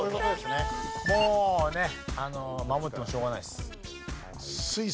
もうね守ってもしょうがないです。